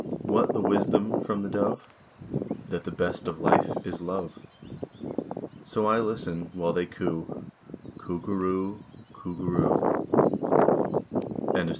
What the wisdom from the dove? That the best of life is "love." So I listen while they coo "_Coo goo roo o o, Coo goo roo o o.